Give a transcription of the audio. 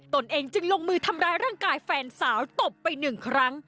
ตนเองจึงลงมือทำร้ายร่างกายแฟนสาวตบไปหนึ่งครั้ง